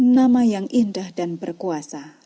nama yang indah dan berkuasa